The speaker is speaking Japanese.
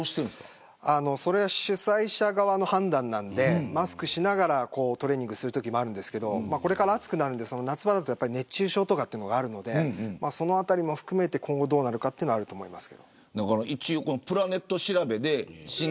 それは主催側の判断なのでマスクをしながらトレーニングするときもあるんですけれどこれから暑くなるので夏場は熱中症もあるのでそのあたりも含めて今後どうなるのかというのはあります。